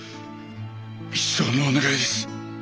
一生のお願いです。